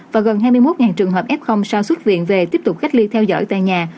và gần hai mươi một trường hợp f sau xuất viện về tiếp tục cách ly theo dõi tại nhà